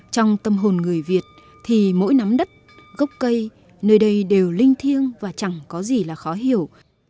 trong tâm hồn người việt thì mỗi nắm đất gốc cây nơi đây đều linh thiêng và chẳng có gì là khó hiểu